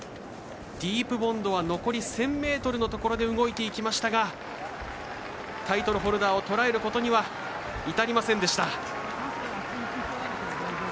ディープボンドは残り１０００ｍのところで動いていきましたがタイトルホルダーを捉えるところまでには至りませんでした。